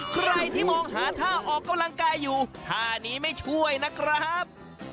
ใครที่มองหาท่าออกกำลังกายอยู่ท่านี้ไม่ช่วยนะครับ